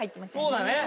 そうだね。